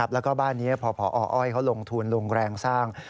แล้วก็บ้านนี้พอพออ้อยเขาลงทุนลงแรงสร้าง